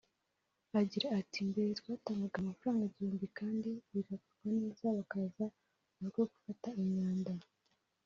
Agira ati “Mbere twatangaga amafaranga igihumbi kandi bigakorwa neza bakaza mu rugo gufata imyanda